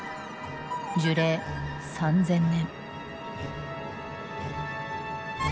樹齢３，０００年。